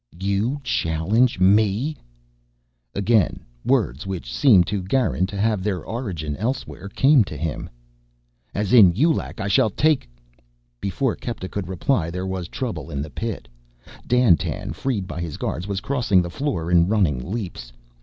"You challenge me?" Again words, which seemed to Garin to have their origin elsewhere, came to him. "As in Yu Lac, I shall take " Before Kepta could reply there was trouble in the pit. Dandtan, freed by his guards, was crossing the floor in running leaps.